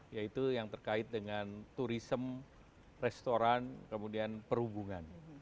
yaitu yang terkait dengan turisme restoran kemudian perhubungan